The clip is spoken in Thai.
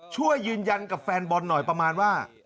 ช่วยยืนยันกับแฟนบอลหน่อยประมาณว่า